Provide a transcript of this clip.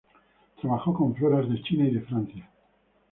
Trabajó con floras de China y de Francia.